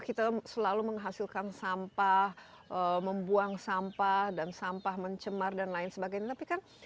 kita selalu menghasilkan sampah membuang sampah dan sampah mencemar dan lain sebagainya tapi kan